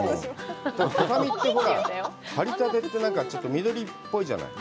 畳って張りたてって、緑っぽいじゃない。